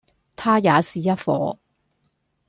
他也是一夥，